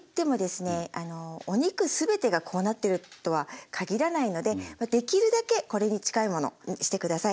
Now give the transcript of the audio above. お肉全てがこうなっているとは限らないのでできるだけこれに近いものにして下さい。